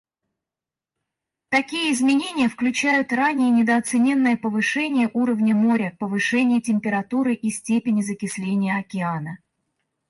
Такие изменения включают ранее недооцененное повышение уровня моря, повышение температуры и степени закисления океана.